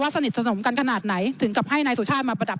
สนิทสนมกันขนาดไหนถึงกับให้นายสุชาติมาประดับ